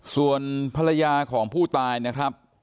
ส่วนภรรยาของผู้ตายนะครับ